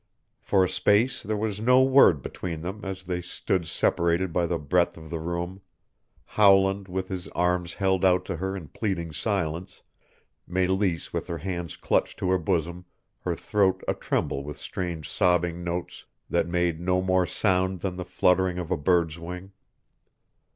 For a space there was no word between them as they stood separated by the breadth of the room, Howland with his arms held out to her in pleading silence, Meleese with her hands clutched to her bosom, her throat atremble with strange sobbing notes that made no more sound than the fluttering of a bird's wing.